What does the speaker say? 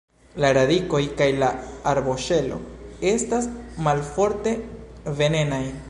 La radikoj kaj la arboŝelo estas malforte venenaj.